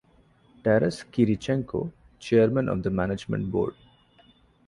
Taras Kyrychenko, Chairman of the Management Board.